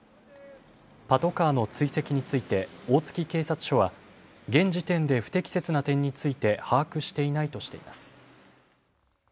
パトカーの追跡について大月警察署は現時点で不適切な点について把握していないとしています。